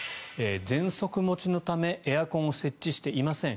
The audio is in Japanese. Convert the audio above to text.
ぜんそく持ちのためエアコンを設置していません。